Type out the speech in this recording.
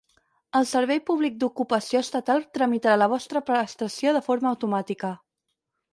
El Servei Públic d'Ocupació Estatal tramitarà la vostra prestació de forma automàtica.